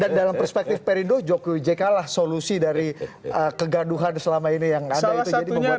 dan dalam perspektif perindo jokowi jk lah solusi dari kegaduhan selama ini yang anda itu jadi membuat